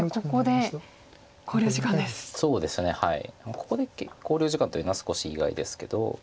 ここで考慮時間というのは少し意外ですけど。